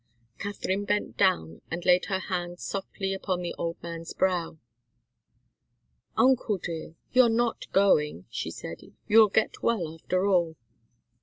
Katharine bent down and laid her hand softly upon the old man's brow. "Uncle dear you're not going," she said. "You'll get well, after all."